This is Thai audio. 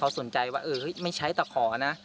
เขาสนใจว่าไม่ใช่แต่ขอนะ